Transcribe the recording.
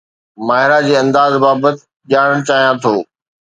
ماهرا جي انداز بابت ڄاڻڻ چاهيان ٿو